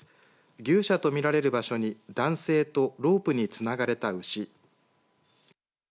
牛舎とみられる場所に男性とロープにつながれた牛。